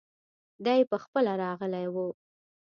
دی پخپله راغلی وو.